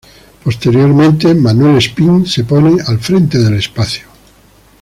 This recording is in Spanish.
Posteriormente, Manuel Espín se pone al frente del espacio.